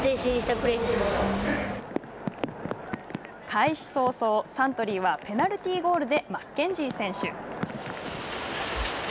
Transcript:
開始早々サントリーはペナルティーゴールでマッケンジー選手。